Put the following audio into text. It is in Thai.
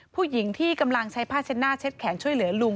ผู้หญิงที่กำลังใช้ผ้าเช็ดหน้าเช็ดแขนช่วยเหลือลุง